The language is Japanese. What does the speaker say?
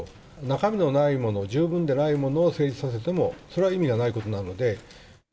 中身のないもの、十分でないものを成立させても、それは意味がないことなので。